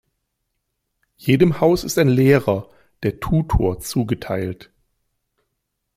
Jedem Haus ist ein Lehrer, der Tutor, zugeteilt.